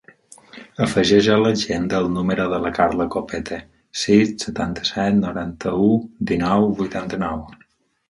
Afegeix a l'agenda el número de la Carla Copete: sis, setanta-set, noranta-u, dinou, vuitanta-nou.